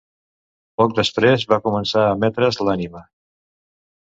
Poc després va començar a emetre's l'anime.